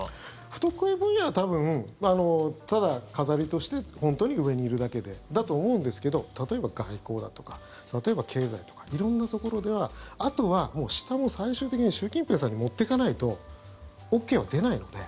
不得意分野は多分ただ飾りとして本当に上にいるだけでと思うんですけど例えば外交だとか例えば経済とか色んなところではあとは、下も最終的に習近平さんに持ってかないとＯＫは出ないので。